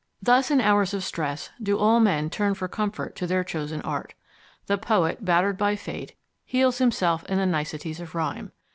Thus, in hours of stress, do all men turn for comfort to their chosen art. The poet, battered by fate, heals himself in the niceties of rhyme.